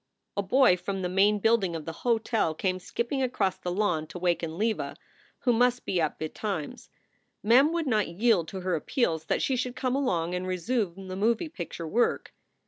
A boy from the main building of the hotel came skipping across the lawn to waken Leva, who must be up betimes. Mem would not yield to her appeals that she should come along and resume the moving picture work.